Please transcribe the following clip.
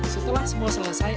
setelah semua selesai